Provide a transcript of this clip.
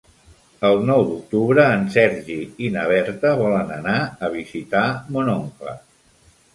El nou d'octubre en Sergi i na Berta volen anar a visitar mon oncle.